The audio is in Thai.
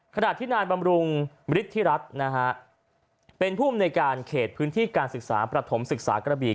ขณะที่นายบำรุงมฤทธิรัฐนะฮะเป็นผู้อำนวยการเขตพื้นที่การศึกษาประถมศึกษากระบี